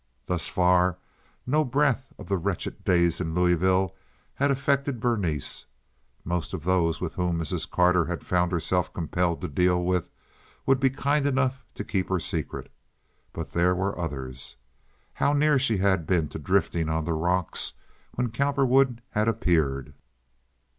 Thus far no breath of the wretched days in Louisville had affected Berenice. Most of those with whom Mrs. Carter had found herself compelled to deal would be kind enough to keep her secret. But there were others. How near she had been to drifting on the rocks when Cowperwood had appeared!